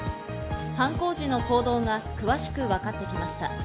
犯行時の行動が詳しくわかってきました。